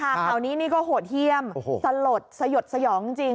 คราวนี้ก็โหดเฮียมสะหรถสยดสยองจริง